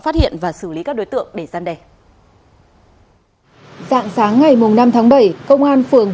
không có đúng không